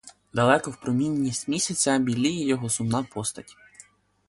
Далеко в промінні місяця біліє його сумна постать.